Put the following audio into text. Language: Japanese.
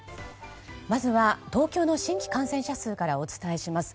まずは、東京の新規感染者数からお伝えします。